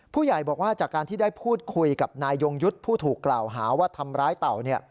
ผู้ใหญ่บอกว่าจากการที่ได้พูดคุยกับนายยงยุทธ์ผู้ถูกกล่าวหาว่าทำร้ายเต่า